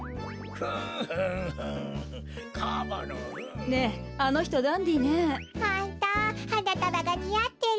ホントはなたばがにあってる。